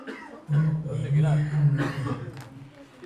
Ogoe nɨa jamade